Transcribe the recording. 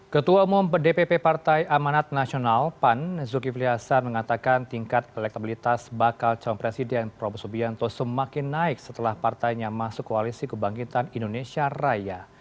ketua umum dpp partai amanat nasional pan zulkifli hasan mengatakan tingkat elektabilitas bakal calon presiden prabowo subianto semakin naik setelah partainya masuk koalisi kebangkitan indonesia raya